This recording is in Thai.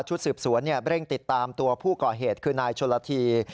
สืบสวนเร่งติดตามตัวผู้ก่อเหตุคือนายชนละที